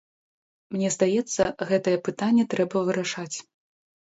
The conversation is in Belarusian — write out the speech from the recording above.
Мне здаецца, гэтае пытанне трэба вырашаць.